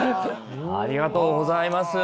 ありがとうございます。